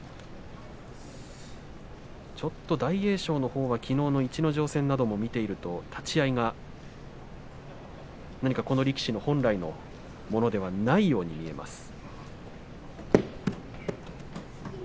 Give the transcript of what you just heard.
ちょっと大栄翔のほうはきのうの逸ノ城戦立ち合い、何かこの力士の本来のものではないようなふうに見えました。